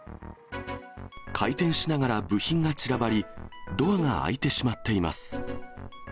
回転しながら部品が散らばり、ドアが開いてしまっています。